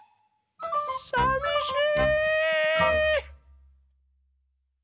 さみしい。